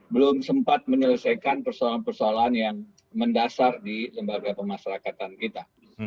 belum sempat menyelesaikan persoalan persoalan yang mendasar di lembaga pemasarakatan kita